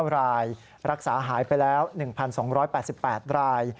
รายรักษาหายไปแล้ว๑๒๘๘ราย